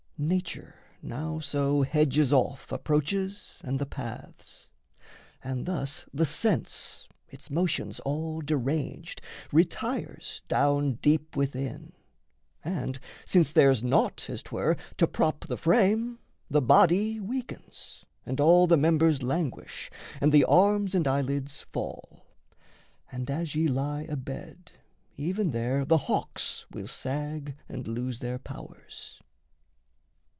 Nature now So hedges off approaches and the paths; And thus the sense, its motions all deranged, Retires down deep within; and since there's naught, As 'twere, to prop the frame, the body weakens, And all the members languish, and the arms And eyelids fall, and, as ye lie abed, Even there the houghs will sag and loose their powers.